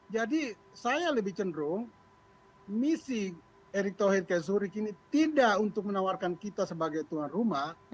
jadi saya lebih cenderung misi erick thohir kezuri kini tidak untuk menawarkan kita sebagai tuan rumah